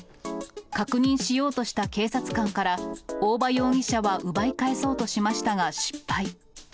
確認しようとした警察官から、大場容疑者は奪い返そうとしましたが、失敗。